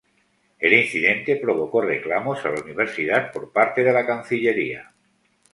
El incidente provocó reclamos a la Universidad por parte de la Cancillería.